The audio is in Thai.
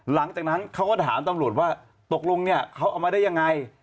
หลังจากนั้นเขาก็ถามตำรวจว่าตกลงเนี่ยเขาเอามาได้ยังไง